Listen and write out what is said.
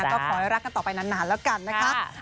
ก็ขอให้รักกันต่อไปนานแล้วกันนะคะ